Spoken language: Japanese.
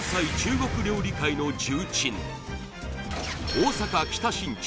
大阪北新地